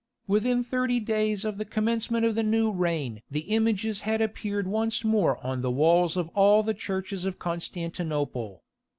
Within thirty days of the commencement of the new reign the images had appeared once more on the walls of all the churches of Constantinople.